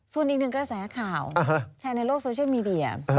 ส่วนอีกหนึ่งกระแสข่าวแชร์ในโลกโซเชียลมีเดีย